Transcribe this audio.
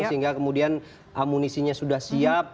sehingga kemudian amunisinya sudah siap